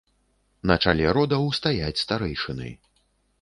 На чале родаў стаяць старэйшыны.